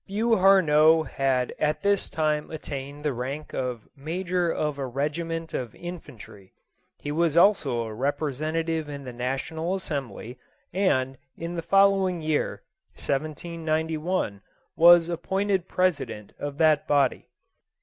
Beauharnois had at this time attained the rank of major of a regiment of infantry ; he was also a repre sentative in the national assembly, and, in the follow ing year, 1791, was appointed president of that body.